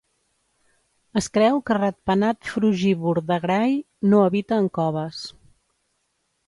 Es creu que ratpenat frugívor de Gray no habita en coves.